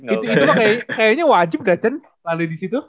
itu mah kayaknya wajib nggak cen lari di situ